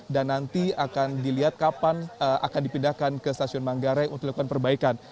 dan nanti akan dilihat kapan akan dipindahkan ke stasiun manggarai untuk dilakukan perbaikan